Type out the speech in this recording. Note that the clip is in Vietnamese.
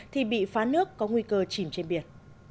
thì bị phá nước có nguy cơ chìm trên biển